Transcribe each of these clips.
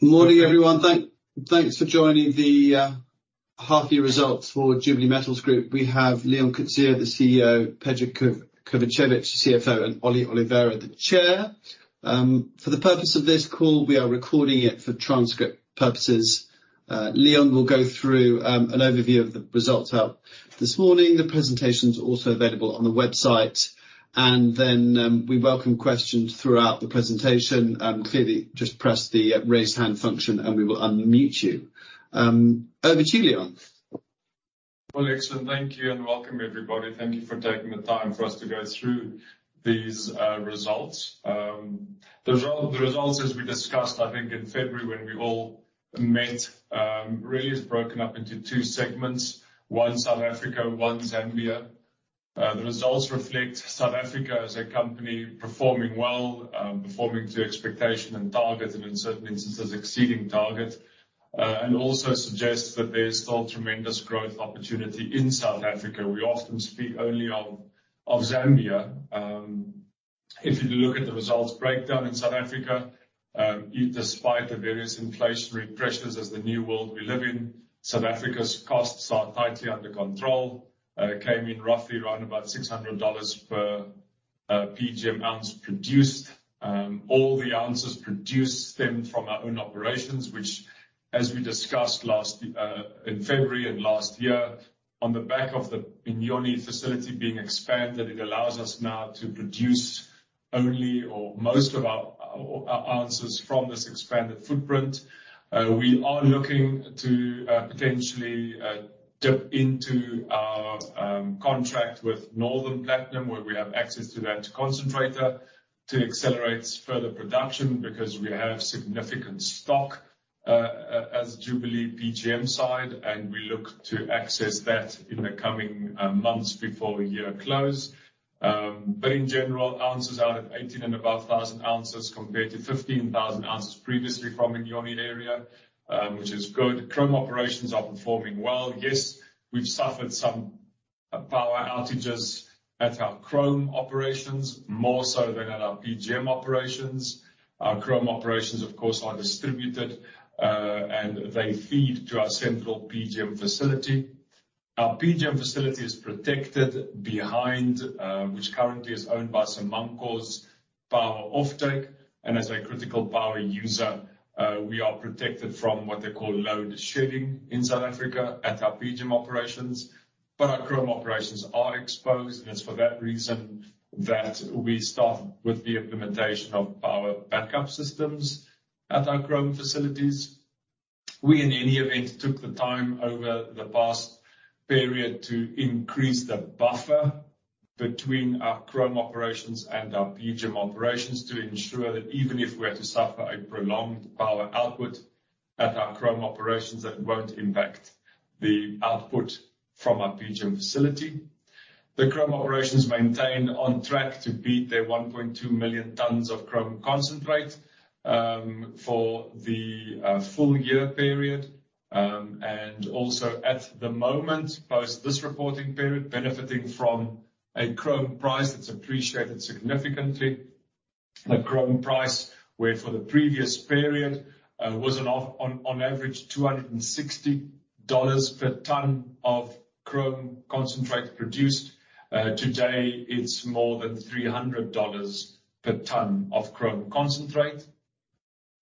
Morning, everyone. Thanks for joining the half year results for Jubilee Metals Group. We have Leon Coetzer, the CEO, Peđa Kovačević, CFO, and Ollie Oliveira, the Chairman. For the purpose of this call, we are recording it for transcript purposes. Leon will go through an overview of the results out this morning. The presentation's also available on the website. Then, we welcome questions throughout the presentation. Clearly just press the raise hand function, and we will unmute you. Over to you, Leon. Well, excellent. Thank you and welcome, everybody. Thank you for taking the time for us to go through these results. The results, as we discussed, I think in February when we all met, really is broken up into two segments, one South Africa, one Zambia. The results reflect South Africa as a company performing well, performing to expectation and target and in certain instances, exceeding target. Also suggests that there's still tremendous growth opportunity in South Africa. We often speak only of Zambia. If you look at the results breakdown in South Africa, despite the various inflationary pressures as the new world we live in, South Africa's costs are tightly under control. Came in roughly around about $600 per PGM ounce produced. All the ounces produced stem from our own operations, which as we discussed last in February and last year, on the back of the Inyoni facility being expanded, it allows us now to produce only or most of our ounces from this expanded footprint. We are looking to potentially dip into our contract with Northam Platinum, where we have access to that concentrator to accelerate further production because we have significant stock as Jubilee PGM side, and we look to access that in the coming months before year close. In general, ounces out of 18,000 and above compared to 15,000 ounces previously from Inyoni area, which is good. Chrome operations are performing well. Yes, we've suffered some power outages at our chrome operations, more so than at our PGM operations. Our chrome operations, of course, are distributed, and they feed to our central PGM facility. Our PGM facility is protected behind, which currently is owned by Samancor's power offtake, and as a critical power user, we are protected from what they call load shedding in South Africa at our PGM operations. Our chrome operations are exposed, and it's for that reason that we start with the implementation of power backup systems at our chrome facilities. We in any event, took the time over the past period to increase the buffer between our chrome operations and our PGM operations to ensure that even if we had to suffer a prolonged power outage at our chrome operations, that won't impact the output from our PGM facility. The chrome operations maintain on track to beat their 1.2 million tons of chrome concentrate for the full-year period. Also at the moment, post this reporting period, benefiting from a chrome price that's appreciated significantly. A chrome price, where for the previous period, was on average $260 per ton of chrome concentrate produced. Today it's more than $300 per ton of chrome concentrate.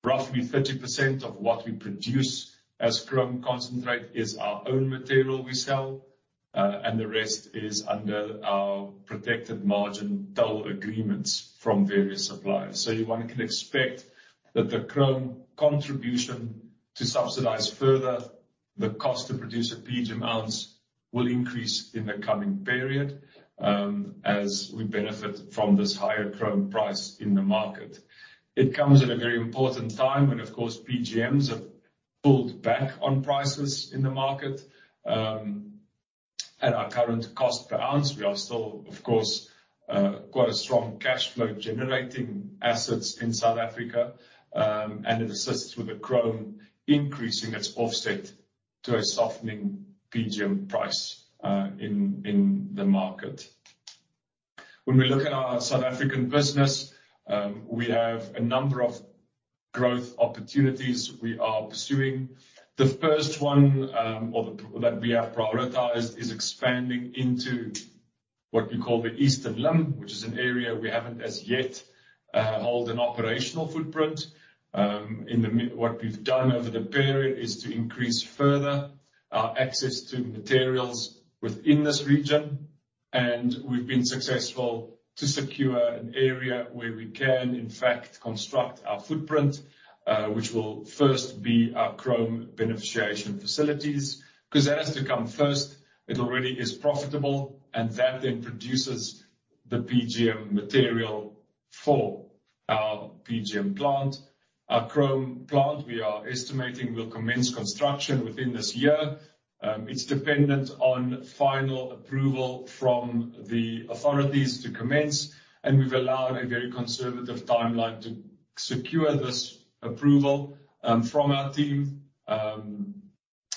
Roughly 30% of what we produce as chrome concentrate is our own material we sell, and the rest is under our protected margin toll agreements from various suppliers. One can expect that the chrome contribution to subsidize further the cost to produce a PGM ounce will increase in the coming period, as we benefit from this higher chrome price in the market. It comes at a very important time when, of course, PGMs have pulled back on prices in the market, at our current cost per ounce. We are still, of course, quite a strong cash flow generating assets in South Africa. It assists with the chrome increasing its offset to a softening PGM price, in the market. When we look at our South African business, we have a number of growth opportunities we are pursuing. The first one, that we have prioritized is expanding into what we call the Eastern Limb, which is an area we haven't as yet hold an operational footprint. What we've done over the period is to increase further our access to materials within this region, and we've been successful to secure an area where we can in fact construct our footprint, which will first be our chrome beneficiation facilities, 'cause that has to come first. It already is profitable and that then produces the PGM material for our PGM plant. Our chrome plant, we are estimating will commence construction within this year. It's dependent on final approval from the authorities to commence, and we've allowed a very conservative timeline to secure this approval, from our team.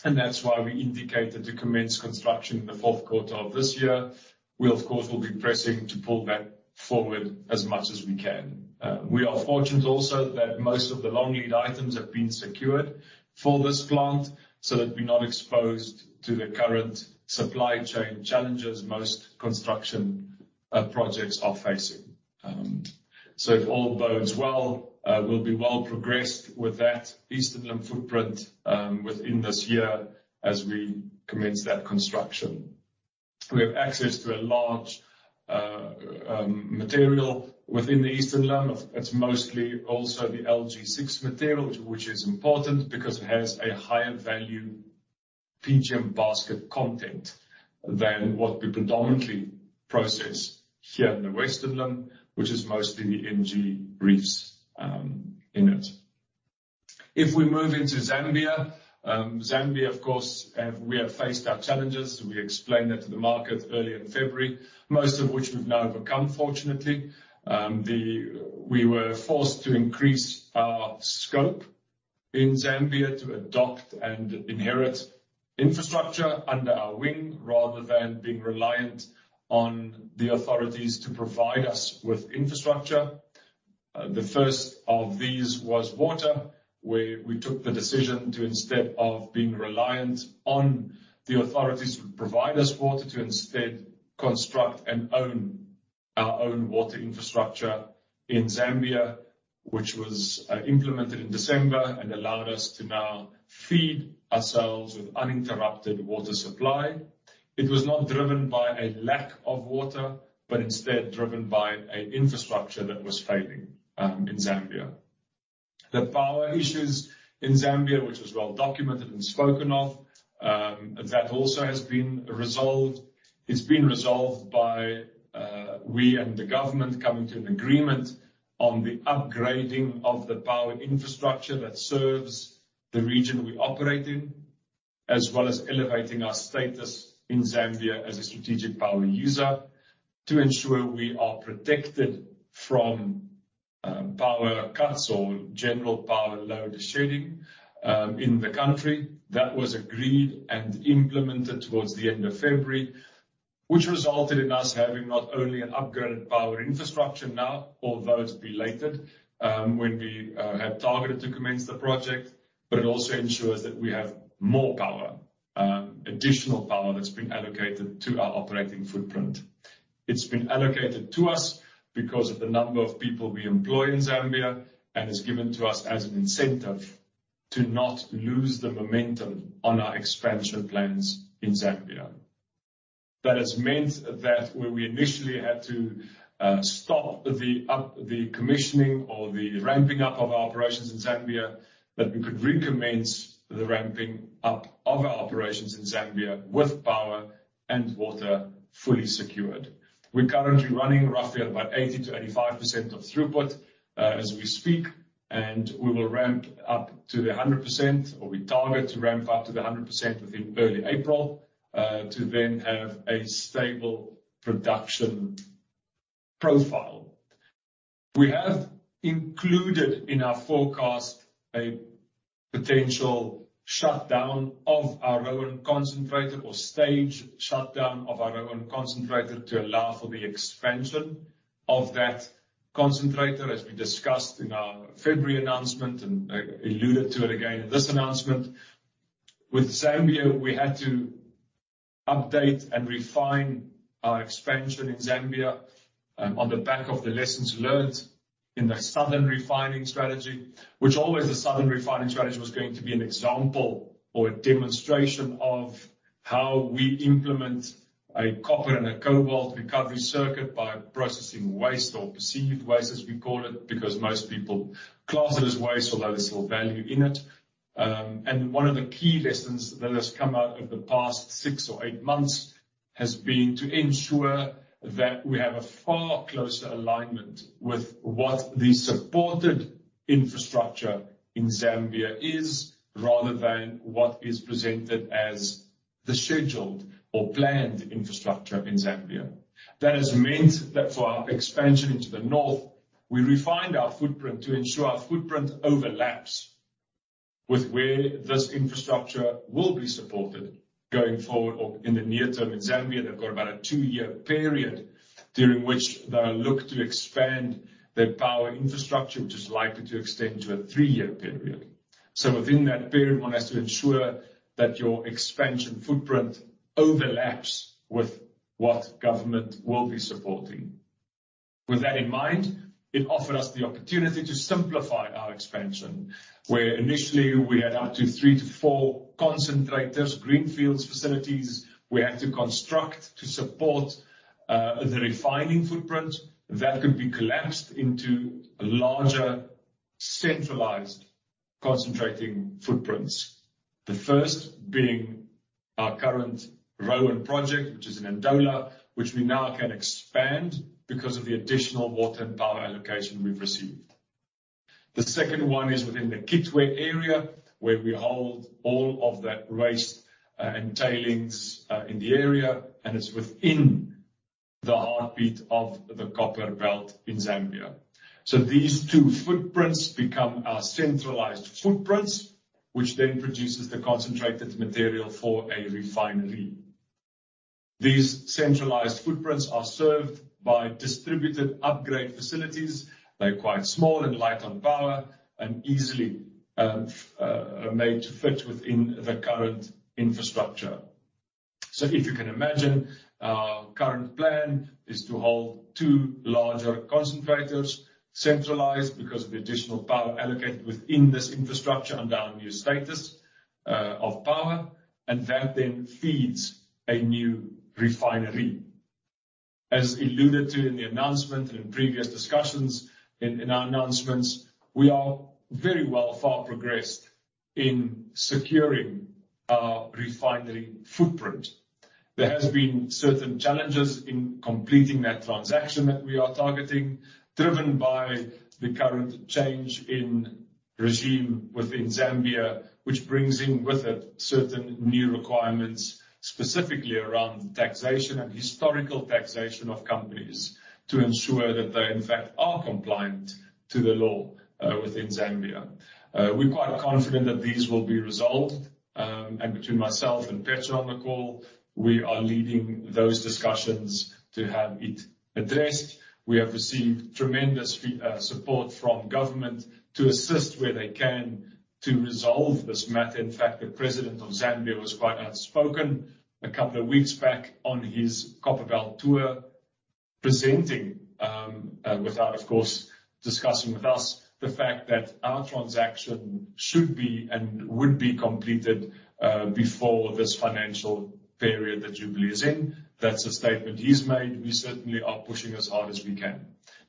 That's why we indicated to commence construction in the fourth quarter of this year. We, of course, will be pressing to pull that forward as much as we can. We are fortunate also that most of the long lead items have been secured for this plant so that we're not exposed to the current supply chain challenges most construction projects are facing. If all bodes well, we'll be well progressed with that Eastern Limb footprint within this year as we commence that construction. We have access to a large material within the Eastern Limb. It's mostly also the LG6 material, which is important because it has a higher value PGM basket content than what we predominantly process here in the Western Limb, which is mostly the MG reefs in it. If we move into Zambia, of course, we have faced our challenges, we explained that to the market early in February. Most of which we've now overcome, fortunately. We were forced to increase our scope in Zambia to adopt and inherit infrastructure under our wing, rather than being reliant on the authorities to provide us with infrastructure. The first of these was water, where we took the decision to, instead of being reliant on the authorities to provide us water, to instead construct and own our own water infrastructure in Zambia, which was implemented in December and allowed us to now feed ourselves with uninterrupted water supply. It was not driven by a lack of water, but instead driven by a infrastructure that was failing in Zambia. The power issues in Zambia, which was well documented and spoken of, that also has been resolved. It's been resolved by we and the government coming to an agreement on the upgrading of the power infrastructure that serves the region we operate in, as well as elevating our status in Zambia as a strategic power user to ensure we are protected from power cuts or general power load shedding in the country. That was agreed and implemented towards the end of February, which resulted in us having not only an upgraded power infrastructure now, although it's belated, when we had targeted to commence the project, but it also ensures that we have more power, additional power that's been allocated to our operating footprint. It's been allocated to us because of the number of people we employ in Zambia, and it's given to us as an incentive to not lose the momentum on our expansion plans in Zambia. That has meant that where we initially had to stop the commissioning or the ramping up of our operations in Zambia, that we could recommence the ramping up of our operations in Zambia with power and water fully secured. We're currently running roughly at about 80%-85% of throughput, as we speak, and we will ramp up to the 100%, or we target to ramp up to the 100% within early April, to then have a stable production profile. We have included in our forecast a potential shutdown of our Roan concentrator or stage shutdown of our Roan concentrator to allow for the expansion of that concentrator, as we discussed in our February announcement and, alluded to it again in this announcement. With Zambia, we had to update and refine our expansion in Zambia, on the back of the lessons learned in the southern refining strategy, which always the southern refining strategy was going to be an example or a demonstration of how we implement a copper and a cobalt recovery circuit by processing waste or perceived waste, as we call it, because most people class it as waste, although there's still value in it. One of the key lessons that has come out of the past six or eight months has been to ensure that we have a far closer alignment with what the supported infrastructure in Zambia is, rather than what is presented as the scheduled or planned infrastructure in Zambia. That has meant that for our expansion into the north, we refined our footprint to ensure our footprint overlaps with where this infrastructure will be supported going forward or in the near term. In Zambia, they've got about a two year period during which they'll look to expand their power infrastructure, which is likely to extend to a three year period. Within that period, one has to ensure that your expansion footprint overlaps with what government will be supporting. With that in mind, it offered us the opportunity to simplify our expansion. Where initially we had up to 3-4 concentrators, greenfields facilities, we had to construct to support the refining footprint that could be collapsed into larger, centralized concentrating footprints. The first being our current Roan project, which is in Ndola, which we now can expand because of the additional water and power allocation we've received. The second one is within the Kitwe area, where we hold all of that waste and tailings in the area, and it's within the heartbeat of the copper belt in Zambia. These two footprints become our centralized footprints, which then produces the concentrated material for a refinery. These centralized footprints are served by distributed upgrade facilities. They're quite small and light on power and easily made to fit within the current infrastructure. If you can imagine, our current plan is to hold two larger concentrators centralized because of the additional power allocated within this infrastructure under our new status of power, and that then feeds a new refinery. As alluded to in the announcement and in previous discussions in our announcements, we are very well far progressed in securing our refinery footprint. There has been certain challenges in completing that transaction that we are targeting, driven by the current change in regime within Zambia, which brings in with it certain new requirements, specifically around taxation and historical taxation of companies to ensure that they, in fact, are compliant to the law within Zambia. We're quite confident that these will be resolved. Between myself and Pedja on the call, we are leading those discussions to have it addressed. We have received tremendous support from government to assist where they can to resolve this matter. In fact, the President of Zambia was quite outspoken a couple of weeks back on his Copperbelt tour, presenting without, of course, discussing with us the fact that our transaction should be and would be completed before this financial period that Jubilee is in. That's a statement he's made. We certainly are pushing as hard as we can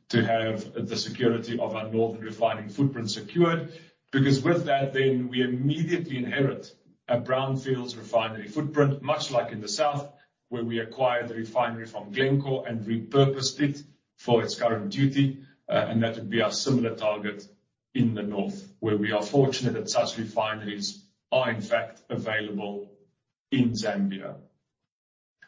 to have the security of our northern refining footprint secured, because with that, then we immediately inherit a brownfields refinery footprint, much like in the south where we acquired the refinery from Glencore and repurposed it for its current duty, and that would be our similar target in the north, where we are fortunate that such refineries are in fact available in Zambia.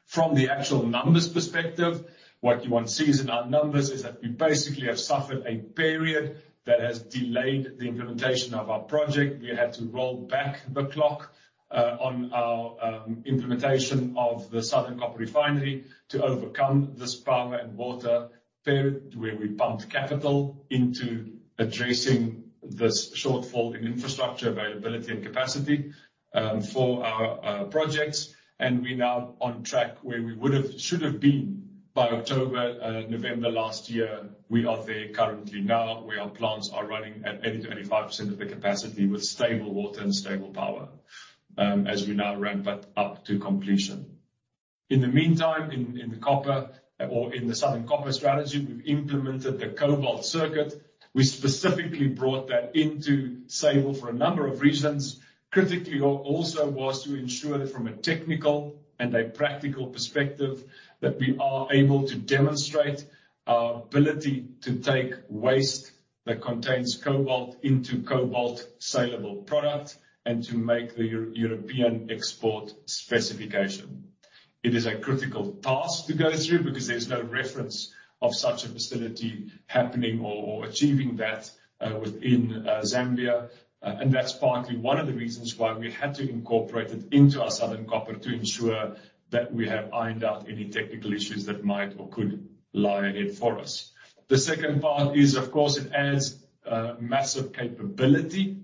From the actual numbers perspective, what you won't see in our numbers is that we basically have suffered a period that has delayed the implementation of our project. We had to roll back the clock, on our implementation of the southern copper refinery to overcome this power and water period where we pumped capital into addressing this shortfall in infrastructure availability and capacity, for our projects. We're now on track where we would have, should have been by October, November last year. We are there currently now, where our plants are running at 80%-85% of their capacity with stable water and stable power, as we now ramp that up to completion. In the meantime, in the copper or in the southern copper strategy, we've implemented the cobalt circuit. We specifically brought that into Sable for a number of reasons. Critically also was to ensure that from a technical and a practical perspective, that we are able to demonstrate our ability to take waste that contains cobalt into cobalt sellable product and to make the European export specification. It is a critical task to go through because there's no reference of such a facility happening or achieving that, within Zambia. That's partly one of the reasons why we had to incorporate it into our southern copper to ensure that we have ironed out any technical issues that might or could lie ahead for us. The second part is, of course, it adds massive capability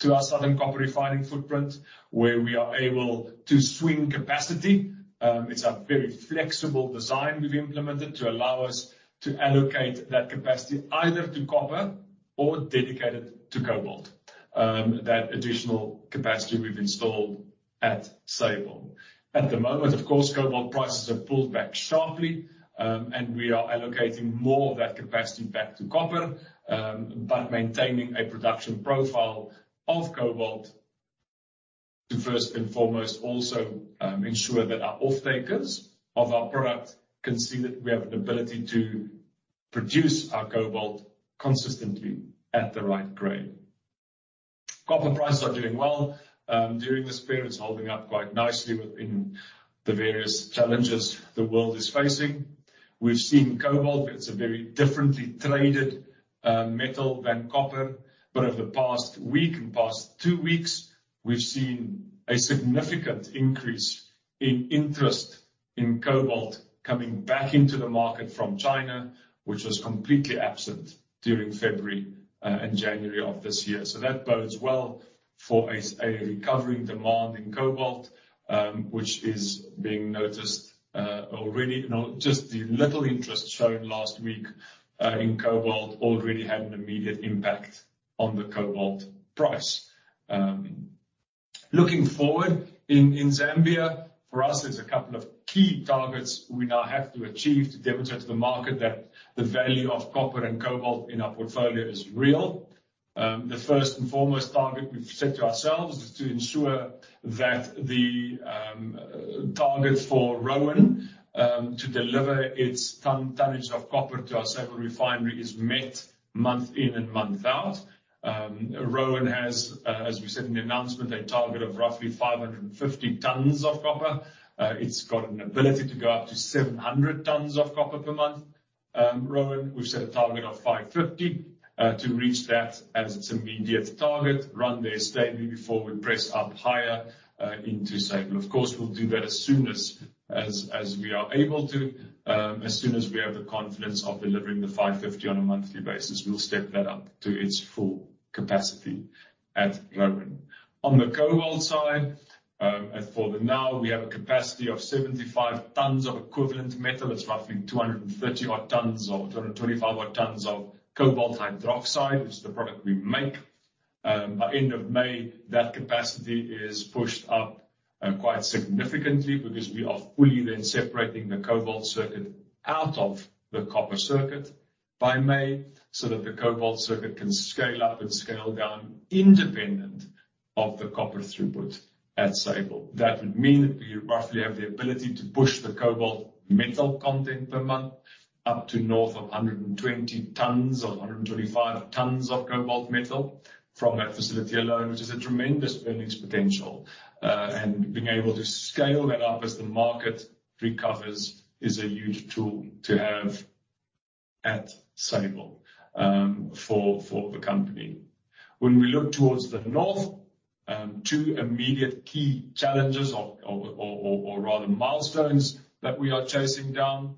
to our southern copper refining footprint, where we are able to swing capacity. It's a very flexible design we've implemented to allow us to allocate that capacity either to copper or dedicate it to cobalt. That additional capacity we've installed at Sable. At the moment, of course, cobalt prices have pulled back sharply, and we are allocating more of that capacity back to copper, but maintaining a production profile of cobalt to first and foremost also ensure that our off-takers of our product can see that we have an ability to produce our cobalt consistently at the right grade. Copper prices are doing well. During this period, it's holding up quite nicely within the various challenges the world is facing. We've seen cobalt, it's a very differently traded metal than copper, but over the past week and past two weeks, we've seen a significant increase in interest in cobalt coming back into the market from China, which was completely absent during February and January of this year. That bodes well for a recovering demand in cobalt, which is being noticed already. Now, just the little interest shown last week in cobalt already had an immediate impact on the cobalt price. Looking forward in Zambia, for us, there's a couple of key targets we now have to achieve to demonstrate to the market that the value of copper and cobalt in our portfolio is real. The first and foremost target we've set to ourselves is to ensure that the target for Roan to deliver its tonnage of copper to our Sable refinery is met month in and month out. Roan has, as we said in the announcement, a target of roughly 550 tons of copper. It's got an ability to go up to 700 tons of copper per month. Roan, we've set a target of 550 to reach that as its immediate target. Run there steadily before we press up higher into Sable. Of course, we'll do that as soon as we are able to. As soon as we have the confidence of delivering the 550 on a monthly basis, we'll step that up to its full capacity at Roan. On the cobalt side, for now, we have a capacity of 75 tons of equivalent metal. That's roughly 230-odd tons, or 225-odd tons of cobalt hydroxide, which is the product we make. By end of May, that capacity is pushed up quite significantly because we are fully then separating the cobalt circuit out of the copper circuit by May, so that the cobalt circuit can scale up and scale down independent of the copper throughput at Sable. That would mean that we roughly have the ability to push the cobalt metal content per month up to north of 120 tons or 125 tons of cobalt metal from that facility alone, which is a tremendous earnings potential. Being able to scale that up as the market recovers is a huge tool to have at Sable for the company. When we look towards the North, two immediate key challenges or rather milestones that we are chasing down.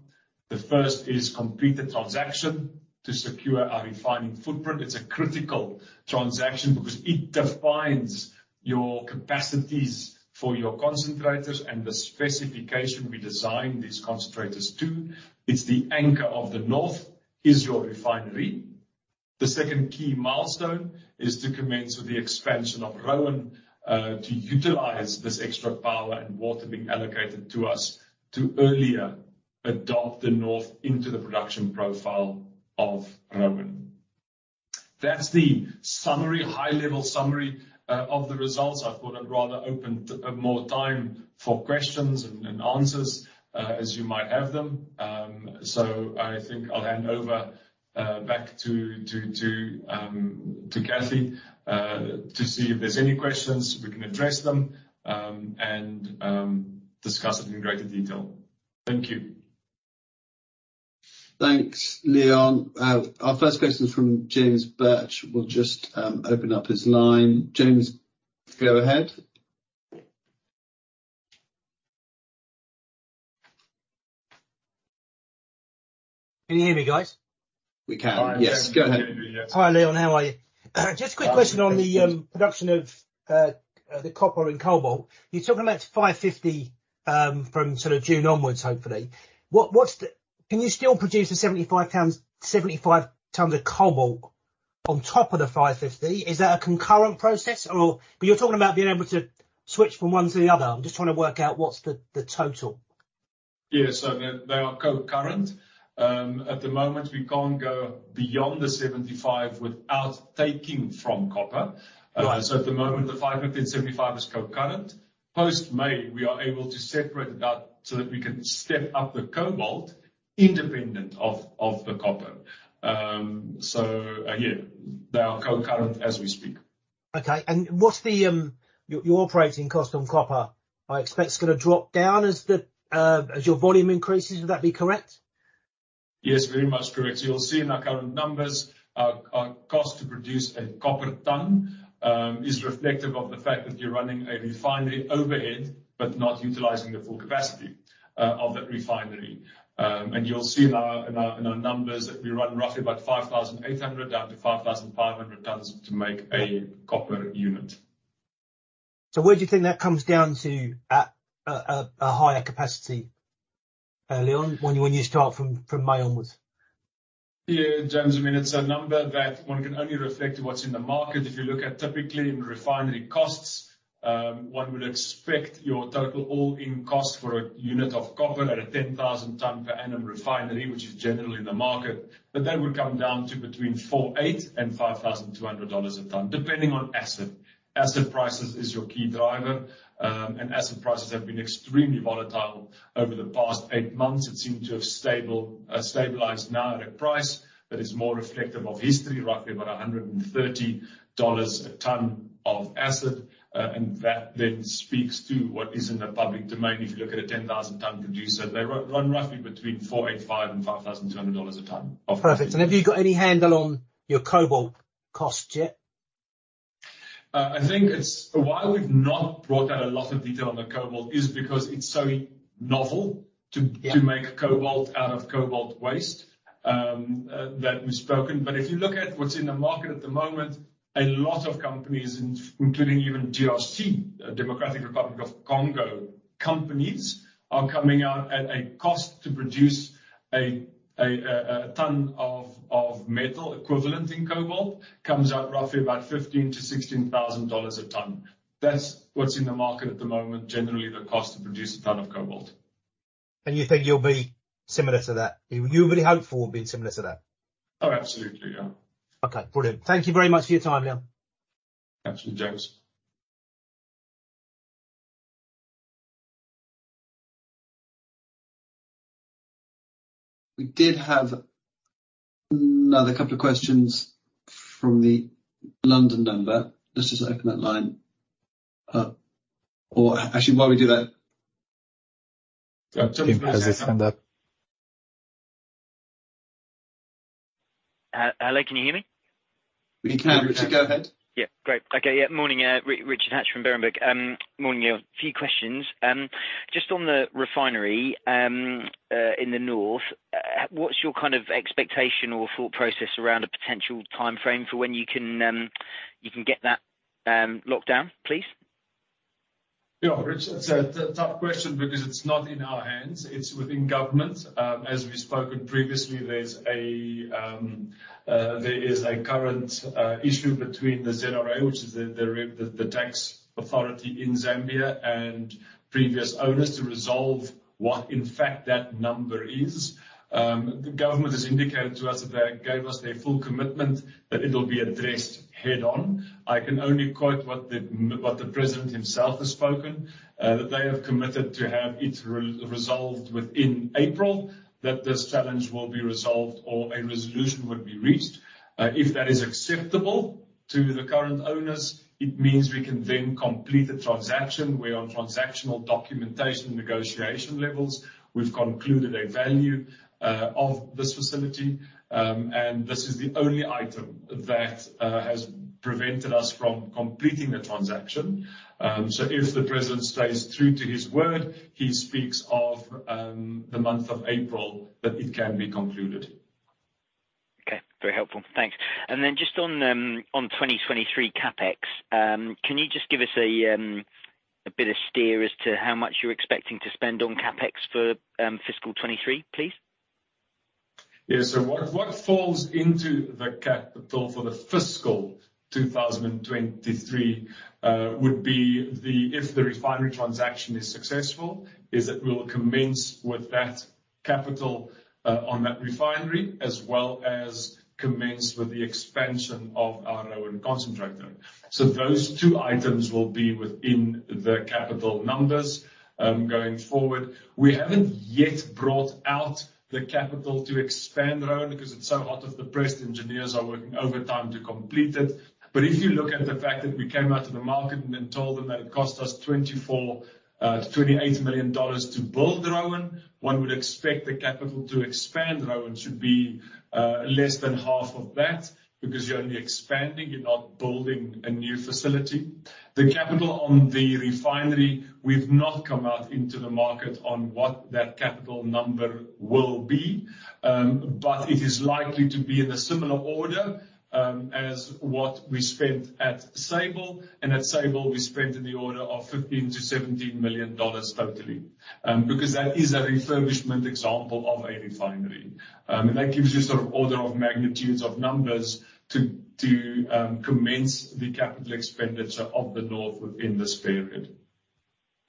The first is to complete the transaction to secure our refining footprint. It's a critical transaction because it defines your capacities for your concentrators and the specification we design these concentrators to. It's the anchor of the North, your refinery. The second key milestone is to commence with the expansion of Roan to utilize this extra power and water being allocated to us to earlier adopt the North into the production profile of Roan. That's the summary, high-level summary of the results. I thought I'd rather open more time for questions and answers, as you might have them. I think I'll hand over back to Cathy to see if there's any questions, we can address them and discuss it in greater detail. Thank you. Thanks, Leon. Our first question from James Birch. We'll just open up his line. James, go ahead. Can you hear me, guys? We can. Hi, James. Yes, go ahead. Hi, Leon. How are you? Just a quick question on the production of the copper and cobalt. You're talking about 550 from sort of June onwards, hopefully. Can you still produce the 75 tons of cobalt on top of the 550? Is that a concurrent process or you're talking about being able to switch from one to the other. I'm just trying to work out what's the total. Yeah. They are co-current. At the moment, we can't go beyond the 75 without taking from copper. Yeah. At the moment, the 550 and 75 is co-current. Post-May, we are able to separate it out, so that we can step up the cobalt independent of the copper. They are co-current as we speak. Okay. What's your operating cost on copper? I expect it's gonna drop down as your volume increases. Would that be correct? Yes, very much correct. You'll see in our current numbers our cost to produce a copper ton is reflective of the fact that you're running a refinery overhead, but not utilizing the full capacity of that refinery. You'll see in our numbers that we run roughly about 5,800 tons-5,500 tons to make a copper unit. Where do you think that comes down to at a higher capacity early on when you start from May onwards? Yeah, James. I mean, it's a number that one can only relate to what's in the market. If you look at typically in refinery costs, one would expect your total all-in cost for a unit of copper at a 10,000-ton per annum refinery, which is generally the market, that would come down to between $4,800-$5,200 a ton, depending on acid. Acid prices is your key driver. And acid prices have been extremely volatile over the past eight months. It seemed to have stabilized now at a price that is more reflective of history, roughly about $130 a ton of acid. That then speaks to what is in the public domain. If you look at a 10,000 ton producer, they run roughly between $485-$5,200 a ton of. Perfect. Have you got any handle on your cobalt costs yet? Why we've not brought out a lot of detail on the cobalt is because it's so novel to- Yeah to make cobalt out of cobalt waste, that we've spoken. If you look at what's in the market at the moment, a lot of companies, including even DRC, Democratic Republic of Congo companies, are coming out at a cost to produce a ton of metal equivalent in cobalt, comes out roughly about $15,000-$16,000 a ton. That's what's in the market at the moment, generally the cost to produce a ton of cobalt. You think you'll be similar to that? You, you'll be hopeful of being similar to that? Oh, absolutely, yeah. Okay. Brilliant. Thank you very much for your time, Leon. Absolutely, James. We did have another couple of questions from the London number. Let's just open that line. Actually, while we do that, Hello, can you hear me? We can now, Richard. Go ahead. Yeah, great. Okay. Yeah, morning, Richard Hatch from Berenberg. Morning, Leon Coetzer. Few questions. Just on the refinery in the north, what's your kind of expectation or thought process around the potential timeframe for when you can get that locked down, please? Yeah, Richard, it's a tough question because it's not in our hands, it's within government. As we've spoken previously, there is a current issue between the ZRA, which is the tax authority in Zambia and previous owners to resolve what in fact that number is. The government has indicated to us that they gave us their full commitment, that it'll be addressed head-on. I can only quote what the president himself has spoken, that they have committed to have it re-resolved within April, that this challenge will be resolved or a resolution would be reached. If that is acceptable to the current owners, it means we can then complete the transaction. We're on transactional documentation negotiation levels. We've concluded a value of this facility, and this is the only item that has prevented us from completing the transaction. If the president stays true to his word, he speaks of the month of April that it can be concluded. Okay, very helpful. Thanks. Then just on 2023 CapEx, can you just give us a bit of steer as to how much you're expecting to spend on CapEx for fiscal 2023, please? What falls into the capital for fiscal 2023 would be, if the refinery transaction is successful, it will commence with that capital on that refinery, as well as commence with the expansion of our Roan concentrator. Those two items will be within the capital numbers going forward. We haven't yet brought out the capital to expand Roan because it's so hot off the press, the engineers are working overtime to complete it. If you look at the fact that we came out to the market and then told them that it cost us $24 million-$28 million to build Roan, one would expect the capital to expand Roan should be less than half of that because you're only expanding, you're not building a new facility. The capital on the refinery, we've not come out into the market on what that capital number will be, but it is likely to be in a similar order, as what we spent at Sable. At Sable, we spent in the order of $15 million-$17 million totally, because that is a refurbishment example of a refinery. That gives you sort of order of magnitudes of numbers to commence the capital expenditure of the north within this period.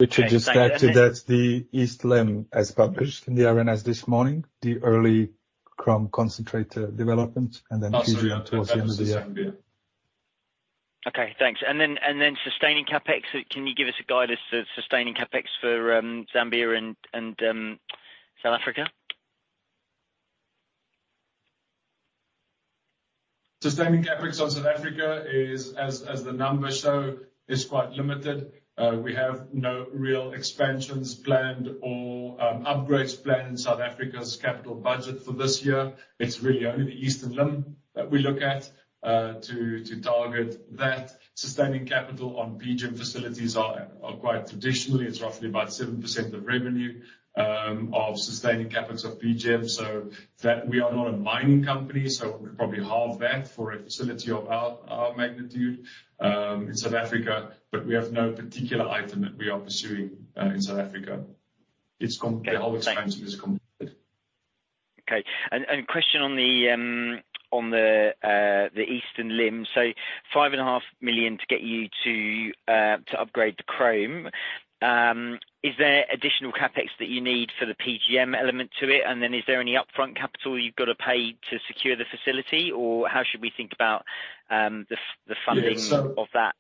Okay, thank. Richard, just to add to that, the East Limb, as published in the RNS this morning, the early chrome concentrator development and then towards the end of the year. Okay, thanks. Sustaining CapEx, can you give us a guidance to sustaining CapEx for Zambia and South Africa? Sustaining CapEx on South Africa is, as the numbers show, quite limited. We have no real expansions planned or upgrades planned in South Africa's capital budget for this year. It's really only the eastern limb that we look at to target that. Sustaining capital on PGM facilities is quite traditional. It's roughly about 7% of revenue of sustaining CapEx of PGM, so that we are not a mining company, so we could probably halve that for a facility of our magnitude in South Africa. We have no particular item that we are pursuing in South Africa. It's com- Okay. The whole expansion is completed. A question on the eastern limb. 5.5 million to get you to upgrade the chrome. Is there additional CapEx that you need for the PGM element to it? Is there any upfront capital you've got to pay to secure the facility? Or how should we think about the funding? Yeah. of that?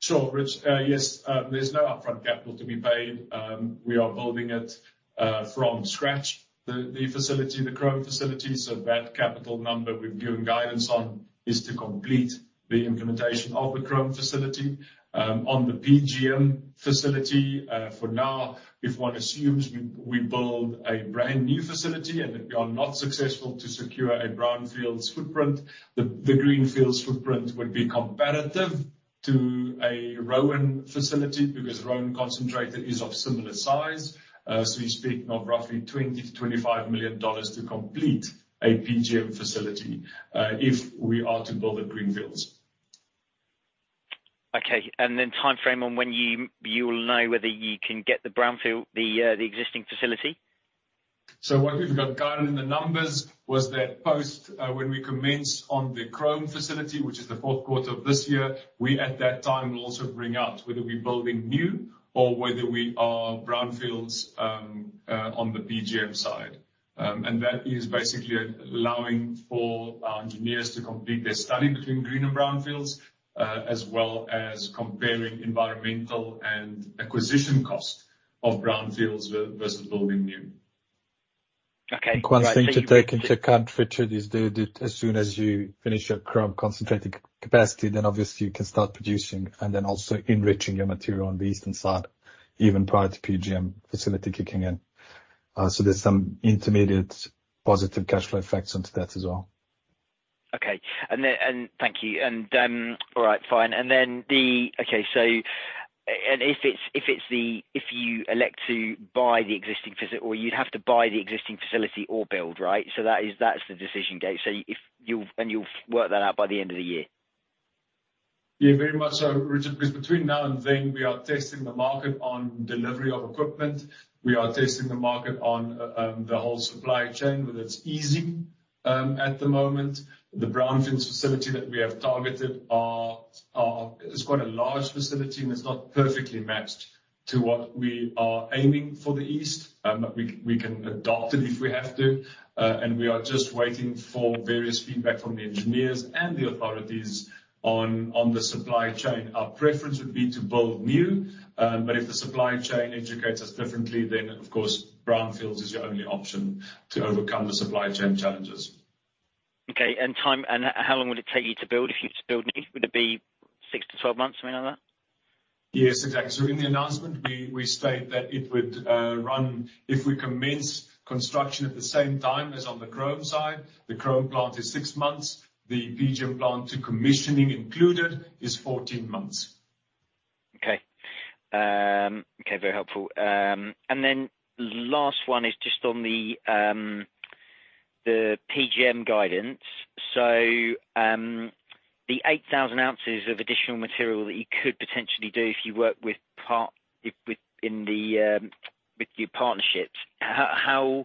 Sure, Rich. Yes, there's no upfront capital to be paid. We are building it from scratch, the facility, the chrome facility. That capital number we've given guidance on is to complete the implementation of the chrome facility. On the PGM facility, for now, if one assumes we build a brand-new facility and that we are not successful to secure a brownfields footprint, the greenfields footprint would be comparable to a Roan facility because Roan concentrator is of similar size. You're speaking of roughly $20-$25 million to complete a PGM facility, if we are to build a greenfields. Okay. Timeframe on when you will know whether you can get the brownfield, the existing facility? What we've got guided in the numbers was that post, when we commence on the chrome facility, which is the fourth quarter of this year, we at that time will also bring out whether we're building new or whether we are brownfields, on the PGM side. That is basically allowing for our engineers to complete their study between green and brownfields, as well as comparing environmental and acquisition cost of brownfields versus building new. Okay. I think one thing to take into account, Richard, is as soon as you finish your chrome concentrating capacity, then obviously you can start producing and then also enriching your material on the eastern side, even prior to PGM facility kicking in. So there's some intermediate positive cash flow effects into that as well. Okay. Thank you. All right, fine. Okay. If you elect to buy the existing facility or build, right? That's the decision gate. You'll work that out by the end of the year. Yeah, very much so, Richard, because between now and then we are testing the market on delivery of equipment. We are testing the market on the whole supply chain, whether it's easy. At the moment, the brownfields facility that we have targeted are. It's quite a large facility, and it's not perfectly matched to what we are aiming for the east. But we can adopt it if we have to. And we are just waiting for various feedback from the engineers and the authorities on the supply chain. Our preference would be to build new, but if the supply chain educates us differently, then of course brownfields is your only option to overcome the supply chain challenges. Okay. How long would it take you to build, if you were to build new? Would it be 6 months-12 months, something like that? Yes, exactly. In the announcement, we state that it would run if we commence construction at the same time as on the chrome side. The chrome plant is 6 months. The PGM plant to commissioning included is 14 months. Okay, very helpful. Last one is just on the PGM guidance. The 8,000 ounces of additional material that you could potentially do if you work with your partnerships. How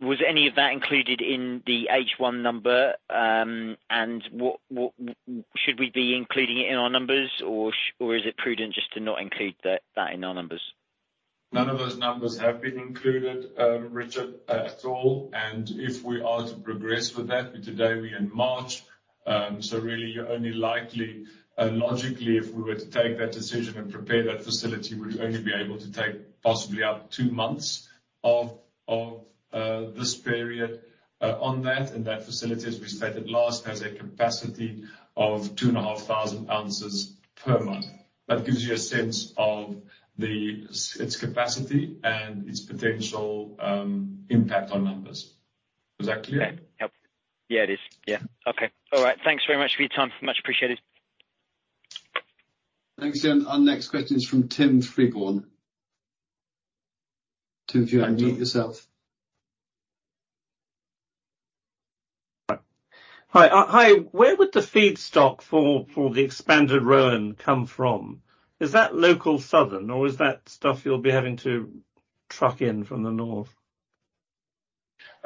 was any of that included in the H1 number? What should we be including it in our numbers or is it prudent just to not include that in our numbers? None of those numbers have been included, Richard, at all. If we are to progress with that, today we're in March, so really you're only likely, logically, if we were to take that decision and prepare that facility, we'd only be able to take possibly up to two months of this period on that. That facility, as we stated last, has a capacity of 2,500 ounces per month. That gives you a sense of its capacity and its potential impact on numbers. Was that clear? Yeah. Helpful. Yeah, it is. Yeah. Okay. All right. Thanks very much for your time. Much appreciated. Thanks. Our next question is from Tim Freeborn. Tim, if you unmute yourself. Hi. Where would the feedstock for the expanded Roan come from? Is that local southern or is that stuff you'll be having to truck in from the north?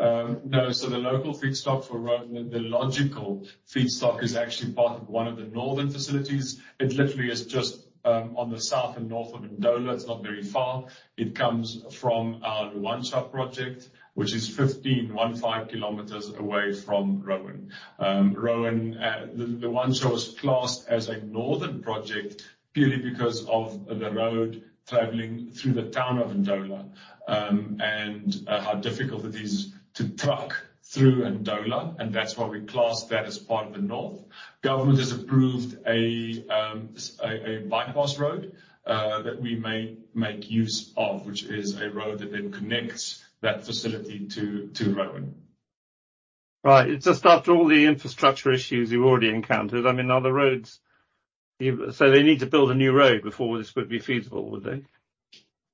No. The local feedstock for Roan, the logical feedstock is actually part of one of the northern facilities. It literally is just on the south and north of Ndola. It's not very far. It comes from our Luanshya project, which is 15 km away from Roan. Roan, Luanshya was classed as a northern project purely because of the road traveling through the town of Ndola, and how difficult it is to truck through Ndola, and that's why we class that as part of the north. The Government has approved a bypass road that we may make use of, which is a road that then connects that facility to Roan. Right. It's just after all the infrastructure issues you've already encountered. I mean, they need to build a new road before this would be feasible, would they?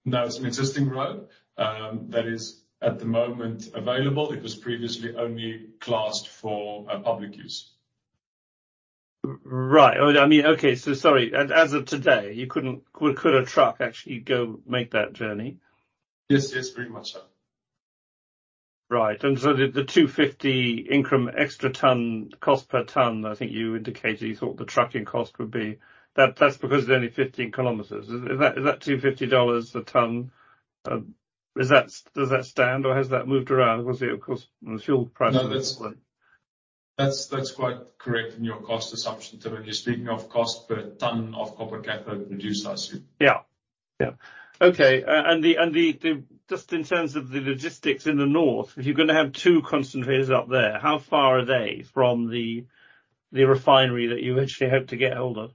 No, it's an existing road, that is at the moment available. It was previously only classed for public use. Right. Oh, I mean, okay. Sorry. Could a truck actually go make that journey? Yes. Yes. Pretty much so. Right. The 250 increment extra ton, cost per ton, I think you indicated you thought the trucking cost would be. That's because it's only 15 km. Is that $250 a ton? Does that stand or has that moved around? Obviously, of course, with fuel prices. No, that's quite correct in your cost assumption. When you're speaking of cost per ton of copper cathode produced, I assume. Just in terms of the logistics in the north, if you're gonna have 2 concentrators up there, how far are they from the refinery that you actually hope to get hold of?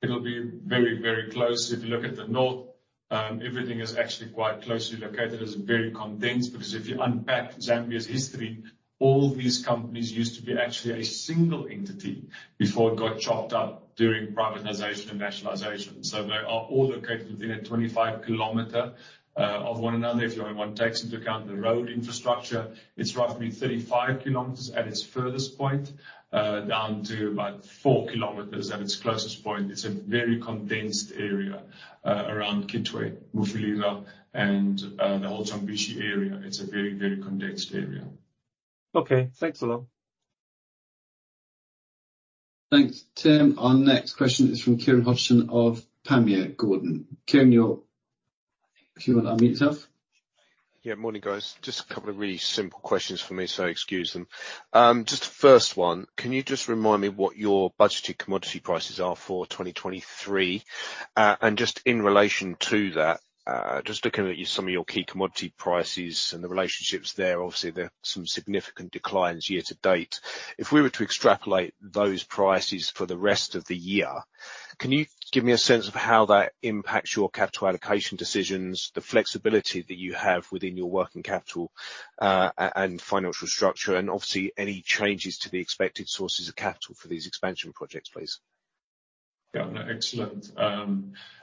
It'll be very, very close. If you look at the north, everything is actually quite closely located. It's very condensed because if you unpack Zambia's history, all these companies used to be actually a single entity before it got chopped up during privatization and nationalization. They are all located within a 25 km of one another. If you only want to take into account the road infrastructure, it's roughly 35 km at its furthest point down to about 4 km at its closest point. It's a very condensed area around Kitwe, Mufulira and the whole Chambishi area. It's a very, very condensed area. Okay. Thanks a lot. Thanks, Tim. Our next question is from Kieron Hodgson of Panmure Gordon. Kieron, your line- Kieron, unmute yourself. Yeah. Morning, guys. Just a couple of really simple questions from me, so excuse them. Just the first one, can you just remind me what your budgeted commodity prices are for 2023? Just in relation to that, just looking at some of your key commodity prices and the relationships there, obviously, there are some significant declines year-to-date. If we were to extrapolate those prices for the rest of the year, can you give me a sense of how that impacts your capital allocation decisions, the flexibility that you have within your working capital, and financial structure, and obviously, any changes to the expected sources of capital for these expansion projects, please. Yeah. No, excellent.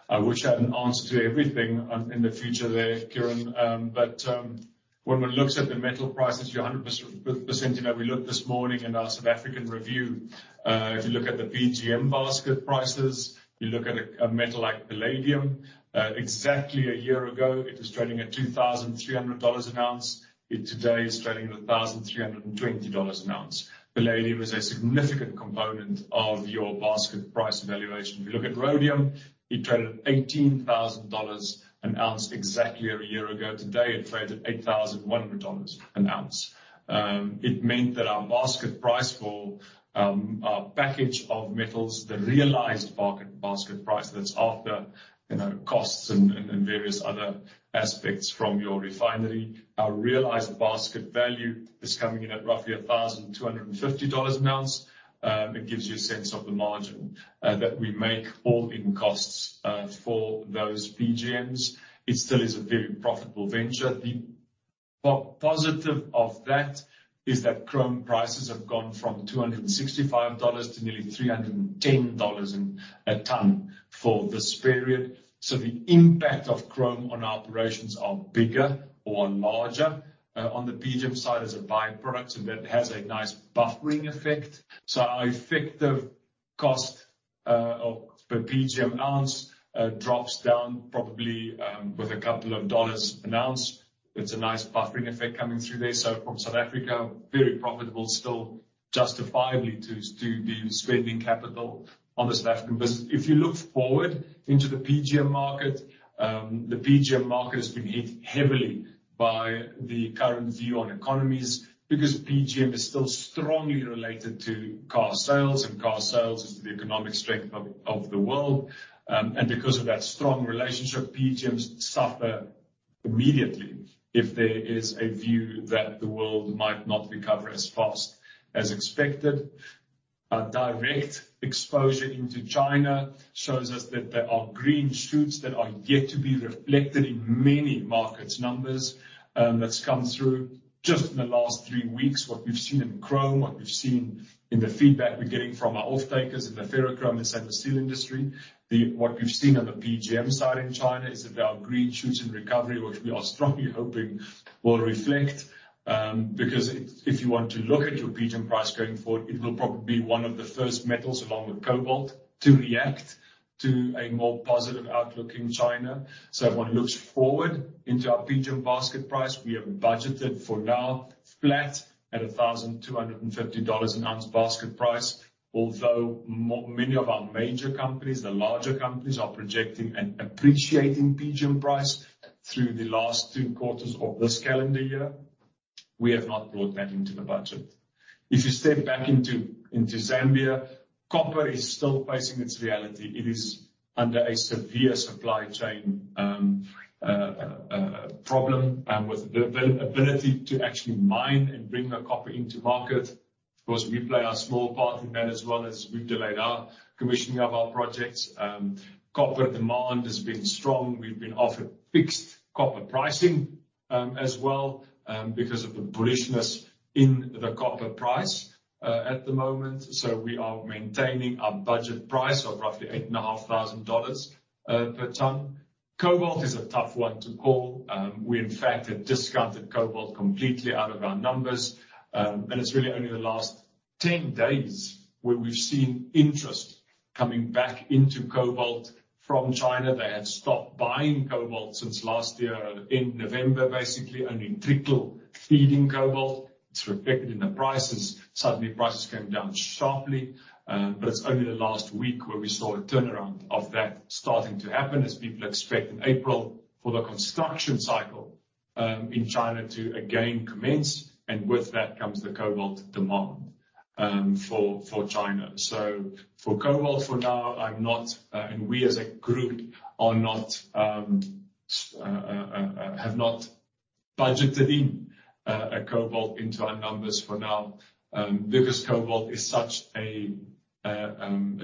I wish I had an answer to everything, in the future there, Kieron. When one looks at the metal prices, you are 100%, you know, we looked this morning in our South African review. If you look at the PGM basket prices, you look at a metal like palladium, exactly a year ago, it was trading at $2,300 an ounce. It today is trading at $1,320 an ounce. Palladium is a significant component of your basket price evaluation. If you look at rhodium, it traded at $18,000 an ounce exactly a year ago. Today, it traded $8,100 an ounce. It meant that our basket price for our package of metals, the realized basket price, that's after, you know, costs and various other aspects from your refinery. Our realized basket value is coming in at roughly $1,250 an ounce. It gives you a sense of the margin that we make all-in costs for those PGMs. It still is a very profitable venture. The positive of that is that chrome prices have gone from $265 to nearly $310 a ton for this period. The impact of chrome on our operations are bigger or are larger on the PGM side as a by-product, and that has a nice buffering effect. Our effective cost of the PGM ounce drops down probably with a couple of dollars an ounce. It's a nice buffering effect coming through there. From South Africa, very profitable, still justifiably to be spending capital on the South African business. If you look forward into the PGM market, the PGM market has been hit heavily by the current view on economies because PGM is still strongly related to car sales, and car sales is the economic strength of the world. Because of that strong relationship, PGMs suffer immediately if there is a view that the world might not recover as fast as expected. Our direct exposure into China shows us that there are green shoots that are yet to be reflected in many markets' numbers, that's come through just in the last three weeks. What we've seen in chrome, what we've seen in the feedback we're getting from our offtakers in the ferrochrome and stainless steel industry. What we've seen on the PGM side in China is about green shoots and recovery, which we are strongly hoping will reflect. Because if you want to look at your PGM price going forward, it will probably be one of the first metals along with cobalt to react to a more positive outlook in China. If one looks forward into our PGM basket price, we have budgeted for now flat at $1,250 an ounce basket price. Although many of our major companies, the larger companies, are projecting an appreciating PGM price through the last two quarters of this calendar year, we have not brought that into the budget. If you step back into Zambia, copper is still facing its reality. It is under a severe supply chain problem with the availability to actually mine and bring the copper into market. Of course, we play our small part in that, as well as we've delayed our commissioning of our projects. Copper demand has been strong. We've been offered fixed copper pricing, as well, because of the bullishness in the copper price at the moment. We are maintaining our budget price of roughly $8,500 per ton. Cobalt is a tough one to call. We in fact have discounted cobalt completely out of our numbers. And it's really only the last 10 days where we've seen interest coming back into cobalt from China. They had stopped buying cobalt since last year in November, basically only a trickle feeding cobalt. It's reflected in the prices. Suddenly, prices came down sharply. It's only the last week where we saw a turnaround of that starting to happen as people expect in April for the construction cycle in China to again commence. With that comes the cobalt demand for China. For cobalt, for now, I'm not, and we as a group are not, have not budgeted in cobalt into our numbers for now because cobalt is such a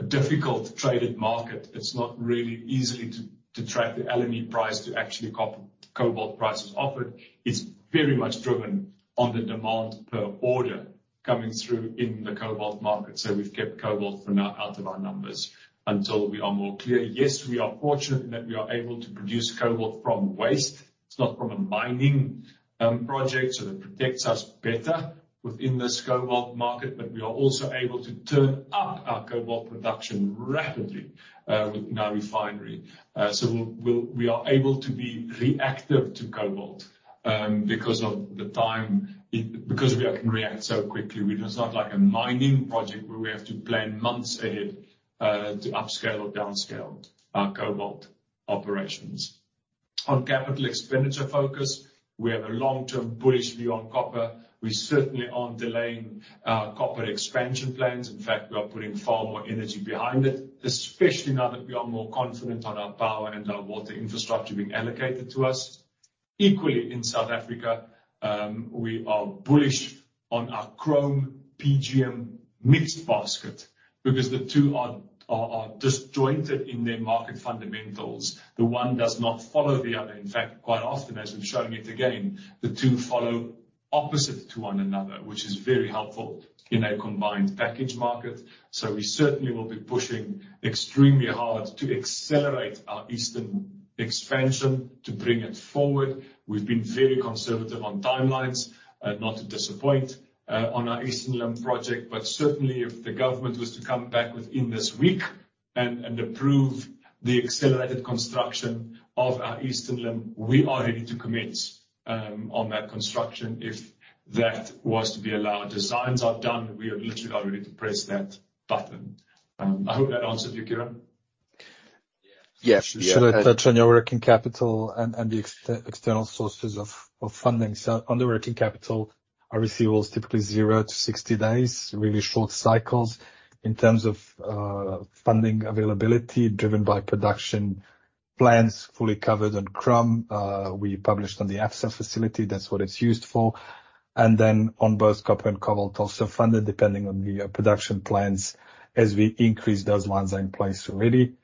difficult traded market. It's not really easy to track the LME price to actually cobalt prices offered. It's very much driven on the demand per order coming through in the cobalt market. We've kept cobalt for now out of our numbers until we are more clear. Yes, we are fortunate in that we are able to produce cobalt from waste. It's not from a mining project, so that protects us better within this cobalt market. But we are also able to turn up our cobalt production rapidly with no refinery. We are able to be reactive to cobalt because we can react so quickly. We're just not like a mining project where we have to plan months ahead to upscale or downscale our cobalt operations. On capital expenditure focus, we have a long-term bullish view on copper. We certainly aren't delaying copper expansion plans. In fact, we are putting far more energy behind it, especially now that we are more confident on our power and our water infrastructure being allocated to us. Equally in South Africa, we are bullish on our chrome PGM mixed basket because the two are disjointed in their market fundamentals. The one does not follow the other. In fact, quite often, as we've shown yet again, the two follow opposite to one another, which is very helpful in a combined package market. We certainly will be pushing extremely hard to accelerate our Eastern expansion to bring it forward. We've been very conservative on timelines, not to disappoint, on our Eastern limb project, but certainly if the government was to come back within this week and approve the accelerated construction of our eastern limb, we are ready to commence on that construction if that was to be allowed. Designs are done. We are literally all ready to press that button. I hope that answers you, Kieron. Yes. Yeah. Should I touch on your working capital and external sources of funding? On the working capital, our receivables typically zero to 60 days, really short cycles. In terms of funding availability, driven by production plans, fully covered on chrome. We published on the Absa facility, that's what it's used for. On both copper and cobalt, also funded depending on the production plans as we increase those ones in place already.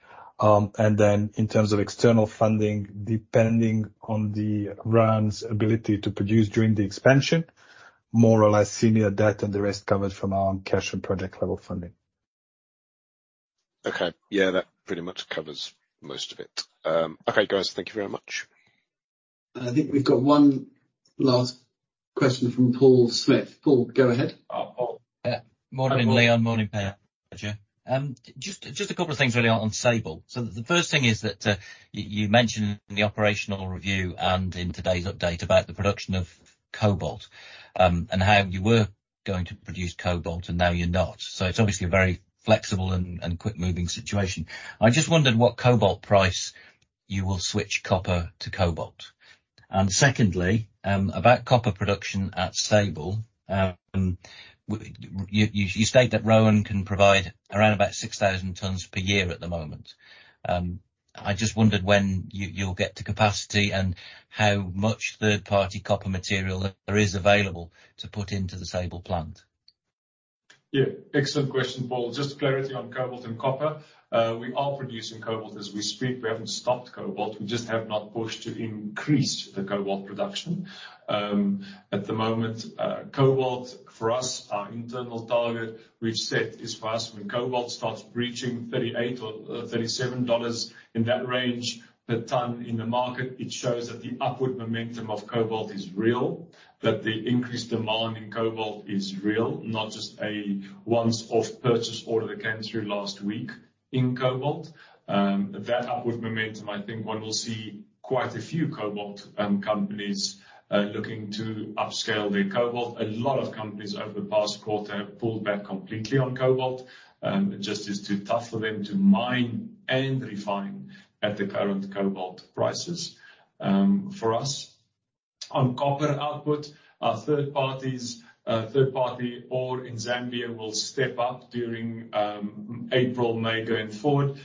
In terms of external funding, depending on the Roan's ability to produce during the expansion, more or less senior debt and the rest covered from our cash and project level funding. Okay. Yeah. That pretty much covers most of it. Okay, guys. Thank you very much. I think we've got one last question from Paul Smith. Paul, go ahead. Oh, Paul. Morning, Leon. Morning, Pedja. Just a couple of things really on Sable. The first thing is that you mentioned in the operational review and in today's update about the production of cobalt and how you were going to produce cobalt, and now you're not. It's obviously a very flexible and quick moving situation. I just wondered what cobalt price you will switch copper to cobalt. And secondly, about copper production at Sable, you state that Roan can provide around about 6,000 tons per year at the moment. I just wondered when you'll get to capacity and how much third-party copper material there is available to put into the Sable plant. Yeah. Excellent question, Paul. Just clarity on cobalt and copper. We are producing cobalt as we speak. We haven't stopped cobalt, we just have not pushed to increase the cobalt production. At the moment, cobalt, for us, our internal target we've set is for us when cobalt starts breaching $37-$38 in that range per ton in the market, it shows that the upward momentum of cobalt is real, that the increased demand in cobalt is real, not just a once-off purchase order that came through last week in cobalt. That upward momentum, I think one will see quite a few cobalt companies looking to upscale their cobalt. A lot of companies over the past quarter have pulled back completely on cobalt, just it's too tough for them to mine and refine at the current cobalt prices, for us. On copper output, our third parties, third party ore in Zambia will step up during April, May, going forward.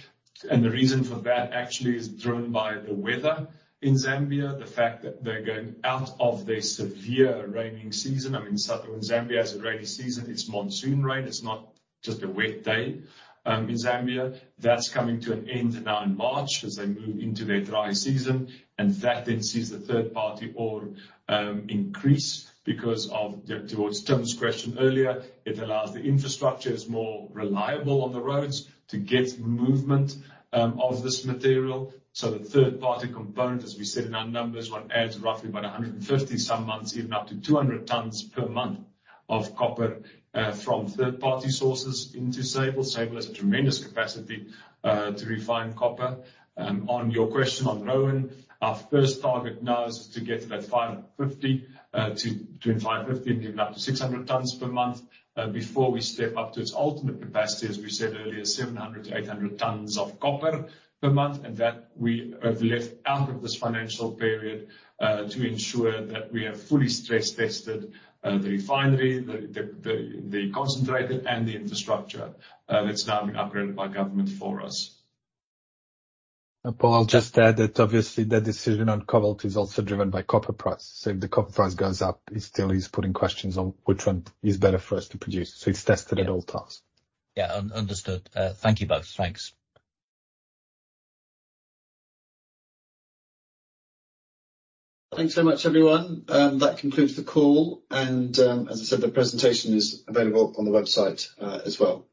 The reason for that actually is driven by the weather in Zambia, the fact that they're going out of their severe raining season. I mean, southern Zambia has a rainy season. It's monsoon rain. It's not just a wet day in Zambia. That's coming to an end now in March as they move into their dry season. That then sees the third party ore increase because towards Tom's question earlier, it allows the infrastructure is more reliable on the roads to get movement of this material. The third-party component, as we said in our numbers, adds roughly about 150-some tons per month, even up to 200 tons per month of copper from third-party sources into Sable. Sable has tremendous capacity to refine copper. On your question on Roan, our first target now is to get to that 550, to between 550 and even up to 600 tons per month before we step up to its ultimate capacity, as we said earlier, 700 tons-800 tons of copper per month, and that we have left out of this financial period to ensure that we have fully stress-tested the refinery, the concentrator and the infrastructure that's now been upgraded by government for us. Paul, I'll just add that obviously the decision on cobalt is also driven by copper price. If the copper price goes up, it still is putting questions on which one is better for us to produce. It's tested at all times. Yeah. Understood. Thank you both. Thanks. Thanks so much, everyone. That concludes the call. As I said, the presentation is available on the website, as well.